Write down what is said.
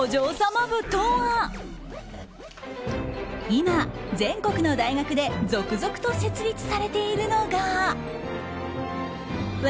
今、全国の大学で続々と設立されているのが。